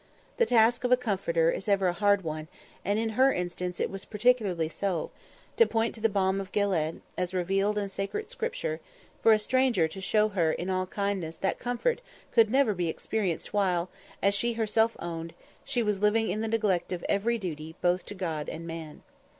The task of a comforter is ever a hard one, and in her instance it was particularly so, to point to the "Balm of Gilead," as revealed in sacred Scripture; for a stranger to show her in all kindness that comfort could never be experienced while, as she herself owned, she was living in the neglect of every duty both to God and man.